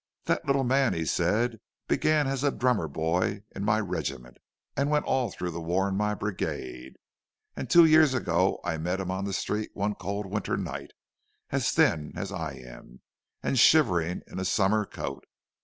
"That little man," he said, "began as a drummer boy in my regiment, and went all through the war in my brigade; and two years ago I met him on the street one cold winter night, as thin as I am, and shivering in a summer overcoat.